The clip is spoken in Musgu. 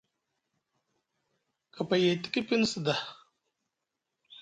Kapay e tiki piŋ sda.